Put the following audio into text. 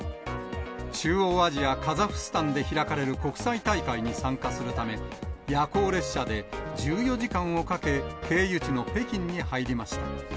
中央アジアカザフスタンで開かれる国際大会に参加するため、夜行列車で１４時間をかけ、経由地の北京に入りました。